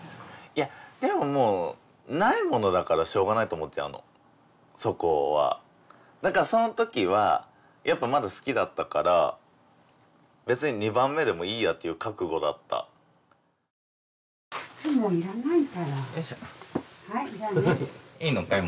いやでももうないものだからしょうがないと思っちゃうのそこはだからそのときはやっぱまだ好きだったから別に２番目でもいいやっていう覚悟だった靴もう要らないからはい要らないいいのかい？